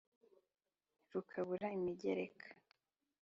. Rukabura imigereka,